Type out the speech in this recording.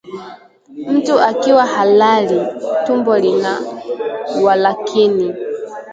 Mtu akiwa halali, tumbo lina walakini